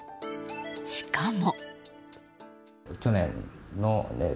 しかも。